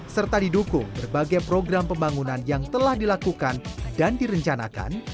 serta didukung berbagai program pembangunan yang telah dilakukan dan direncanakan